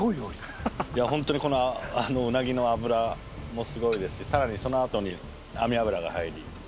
本当にこのウナギの脂もすごいですしさらにそのあとに網脂が入り